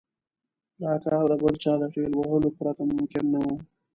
دا کار د بل چا د ټېل وهلو پرته ممکن نه و.